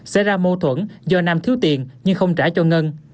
sẽ ra mô thuẫn do nam thiếu tiền nhưng không trả cho ngân